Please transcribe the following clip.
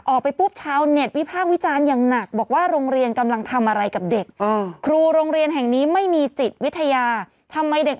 ออกไปปุ๊บชาวเน็ตวิภาควิจารณ์อย่างหนักบอกว่า